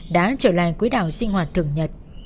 đã trở lại quý đạo sinh hoạt thường nhật